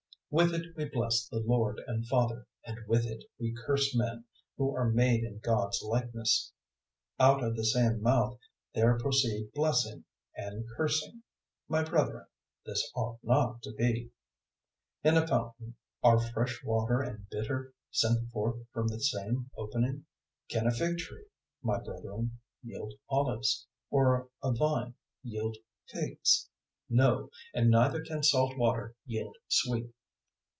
003:009 With it we bless the Lord and Father, and with it we curse men, who are made in God's likeness. 003:010 Out of the same mouth there proceed blessing and cursing. My brethren, this ought not to be. 003:011 In a fountain, are fresh water and bitter sent forth from the same opening? 003:012 Can a fig tree, my brethren, yield olives, or a vine yield figs? No; and neither can salt water yield sweet.